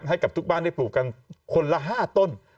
ให้กับทุกบ้านได้ปลูกกันคนละ๕ต้น